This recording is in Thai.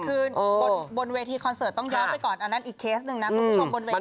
คือบนเวทีคอนเสิร์ตต้องย้อนไปก่อนอันนั้นอีกเคสหนึ่งนะคุณผู้ชมบนเวที